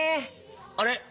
あれ？